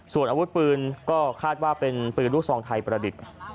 ส่วนอาวุธปืนก็คาดว่าเป็นปืนลูกซองไทยประดิษฐ์